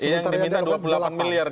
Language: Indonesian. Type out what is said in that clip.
yang diminta dua puluh delapan miliar